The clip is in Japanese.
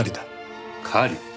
狩り？